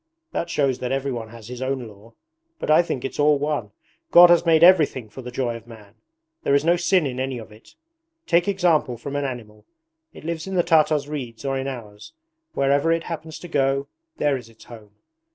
That shows that everyone has his own law. But I think it's all one. God has made everything for the joy of man. There is no sin in any of it. Take example from an animal. It lives in the Tartar's reeds or in ours. Wherever it happens to go, there is its home!